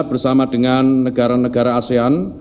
bersama dengan negara negara asean